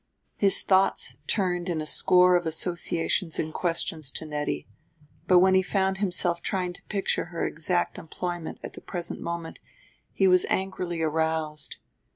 His thoughts turned in a score of associations and questions to Nettie; but when he found himself trying to picture her exact employment at the present moment he was angrily aroused.